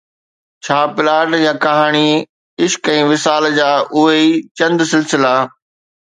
ڇا پلاٽ يا ڪهاڻي، عشق ۽ وصال جا اهي ئي چند سلسلا.